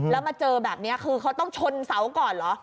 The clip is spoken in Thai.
แล้วมาเจอแบบนี้คือเขาต้องชนเสาก่อนเหรอ